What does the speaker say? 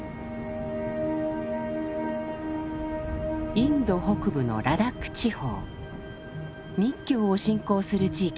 インド北部のラダック地方密教を信仰する地域です。